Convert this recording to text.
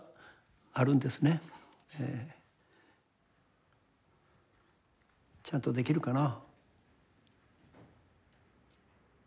ええ。ちゃんとできるかな。